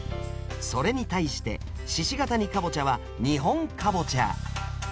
それに対して鹿ケ谷かぼちゃは日本カボチャ。